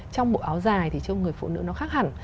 trong bộ áo dài thì trong người phụ nữ nó khác hẳn